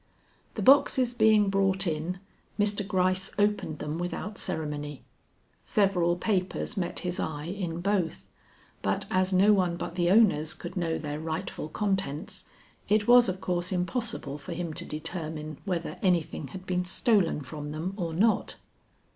The boxes being brought in, Mr. Gryce opened them without ceremony. Several papers met his eye in both, but as no one but the owners could know their rightful contents, it was of course impossible for him to determine whether anything had been stolen from them or not.